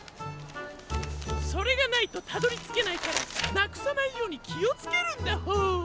それがないとたどりつけないからなくさないようにきをつけるんだホォー。